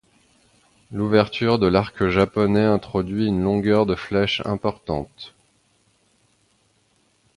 L’ouverture de l’arc japonais induit une longueur de flèche importante.